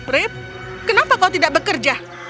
rip kenapa kau tidak bekerja